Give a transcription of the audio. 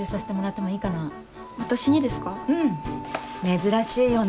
珍しいよね